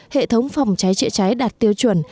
hệ thống phòng cháy trịa cháy đạt tiêu chuẩn